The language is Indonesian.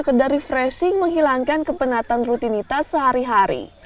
hutan ini datang untuk sekedar refreshing menghilangkan kepenatan rutinitas sehari hari